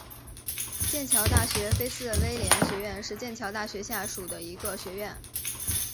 剑桥大学菲茨威廉学院是剑桥大学下属的一个学院。